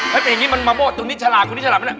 ไม่เป็นงี้มันมาโบ้ตคุณนี้ฉลาดคุณนี้ฉลาดไม่เป็นไร